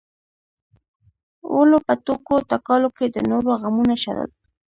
ولو په ټوکو ټکالو کې د نورو غمونه شړل.